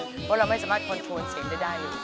เพราะเราไม่สามารถคอนโทรเสียงได้เลย